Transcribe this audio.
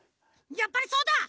やっぱりそうだ！